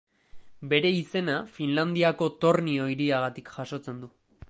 Bere izena Finlandiako Tornio hiriagatik jasotzen du.